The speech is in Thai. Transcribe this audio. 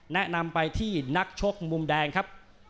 แนะนำไปที่นักชกมุมแดงครับ